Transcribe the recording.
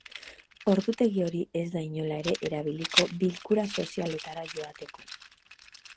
Ordutegi hori ez da inola ere erabiliko bilkura sozialetara joateko.